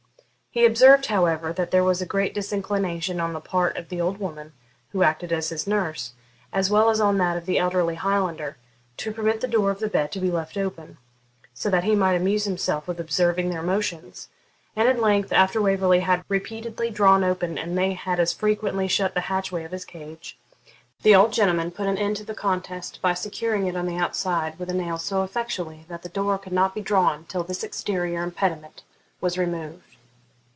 He observed, however, that there was a great disinclination on the part of the old woman who acted as his nurse, as well as on that of the elderly Highlander, to permit the door of the bed to be left open, so that he might amuse himself with observing their motions; and at length, after Waverley had repeatedly drawn open and they had as frequently shut the hatchway of his cage, the old gentleman put an end to the contest by securing it on the outside with a nail so effectually that the door could not be drawn till this exterior impediment was removed.